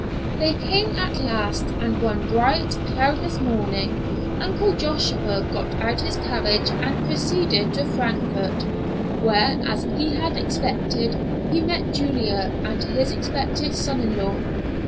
They came at last, and one bright, cloudless morning Uncle Joshua got out his carriage and proceeded to Frankfort, where, as he had expected, he met Julia and his expected son in law.